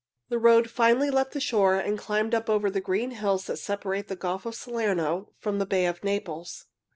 The road finally left the shore and climbed up over the green hills that separate the Gulf of Salerno from the Bay of Naples.